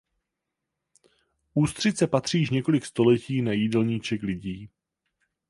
Ústřice patří již několik století na jídelníček lidí.